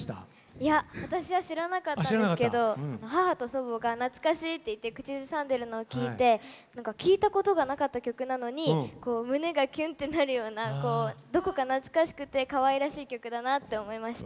いや私は知らなかったんですけど母と祖母が懐かしいっていって口ずさんでいるのを聴いて聴いたことがなかった曲なのに胸がキュンってなるようなどこか懐かしくてかわいらしい曲だなって思いました。